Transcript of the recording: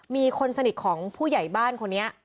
มีคนสนิทของผู้ใหญ่บ้านคนนี้